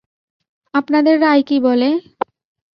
আপনাদের রায় কী বলে?